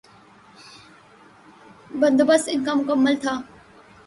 بندوبست ان کا مکمل تھا۔